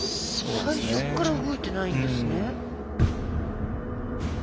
最初から動いてないですね。